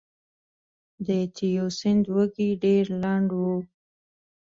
د تیوسینټ وږی ډېر لنډ و